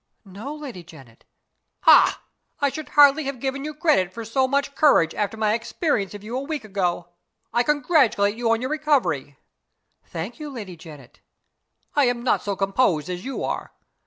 "No, Lady Janet." "Ha! I should hardly have given you credit for so much courage after my experience of you a week ago. I congratulate you on your recovery." "Thank you, Lady Janet." "I am not so composed as you are.